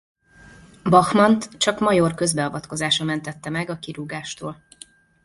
Bachmant csak Major közbeavatkozása mentette meg a kirúgástól.